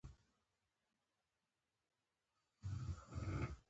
یو مضبوط وطن نړیږي